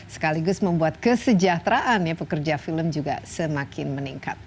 sekaligus membuat kesejahteraan pekerja film juga semakin meningkat